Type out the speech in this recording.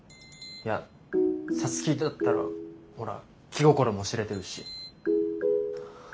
いや皐月だったらほら気心も知れてるし。